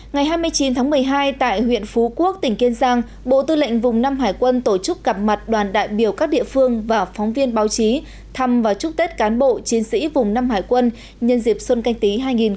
ngày hai mươi chín tháng một mươi hai tại huyện phú quốc tỉnh kiên giang bộ tư lệnh vùng năm hải quân tổ chức gặp mặt đoàn đại biểu các địa phương và phóng viên báo chí thăm và chúc tết cán bộ chiến sĩ vùng năm hải quân nhân dịp xuân canh tí hai nghìn hai mươi